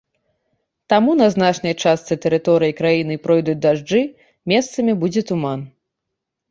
Таму на значнай частцы тэрыторыі краіны пройдуць дажджы, месцамі будзе туман.